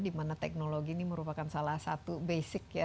di mana teknologi ini merupakan salah satu basic